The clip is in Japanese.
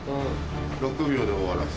６秒で終わらす。